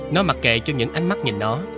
nó mặc kệ cho những ánh mắt nhìn nó